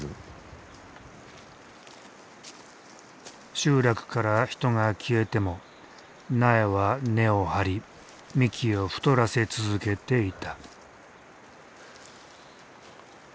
集落から人が消えても苗は根を張り幹を太らせ続けていた。